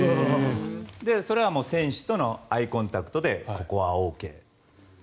それは選手とのアイコンタクトでここはＯＫ。